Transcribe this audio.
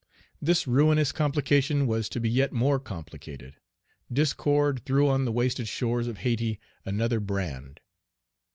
This ruinous complication was to be yet more complicated. Discord threw on the wasted shores of Hayti another brand.